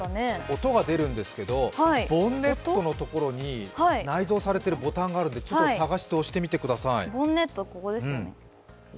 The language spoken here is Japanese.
音が出るんですけど、ボンネットのところに内蔵されているホタンがあるので、探して押してみてください。